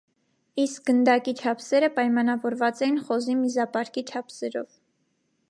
Իսկ գնդակի չափսերը պայմանավորված էին խոզի միզապարկի չափսերով։